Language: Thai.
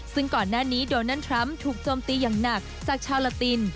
ซึ่งก่อนหน้านี้โดนัลดทรัมป์ถูกโจมตีอย่างหนักจากชาวลาติน